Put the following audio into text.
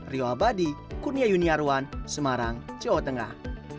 rio abadi kurnia yuniarwan semarang jawa tengah